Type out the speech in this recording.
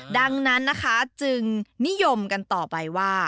ดังนั้นจึงนิยมกันต่อไป